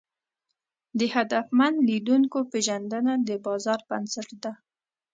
د هدفمن لیدونکو پېژندنه د بازار بنسټ ده.